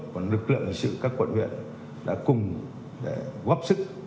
còn lực lượng hình sự các quận huyện đã cùng để góp sức